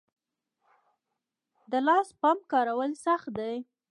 د لاس پمپ کارول سخت دي؟